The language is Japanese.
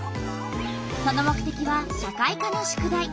その目てきは社会科の宿題。